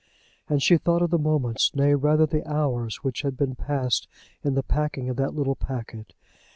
And she thought of the moments, nay, rather of the hours, which had been passed in the packing of that little packet.